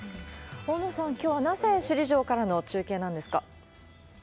大野さん、きょうはなぜ首里城からの中継なんですか？